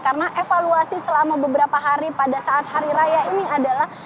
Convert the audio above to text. karena evaluasi selama beberapa hari pada saat hari raya ini adalah